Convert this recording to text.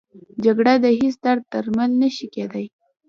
جګړه د هېڅ درد درمل نه شي کېدی